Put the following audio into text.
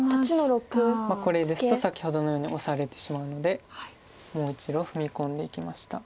これですと先ほどのようにオサれてしまうのでもう１路踏み込んでいきました。